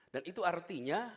dan itu artinya